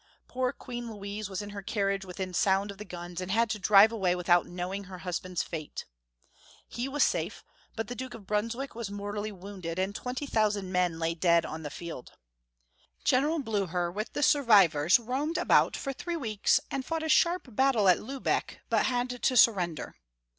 Poor Queen Louise was in her carriage within sound of the guns, and had to drive away without knowing her husband's fate. He was safe, but the Duke of Brunswick was mortally wounded, and 20,000 men lay dead on the field. General Blucher with the survivors, roamed about for three weeks and fought a sharp battle at Lubeck, but had to surrender.